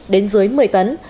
đến dưới một mươi tấn